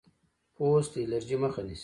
پوست الرجي مخه نیسي.